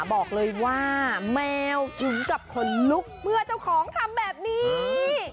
บอกเลยว่าแมวถึงกับขนลุกเมื่อเจ้าของทำแบบนี้